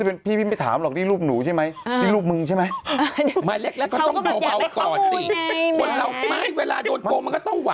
เออก็ต้องแบบค่อยตะล่ม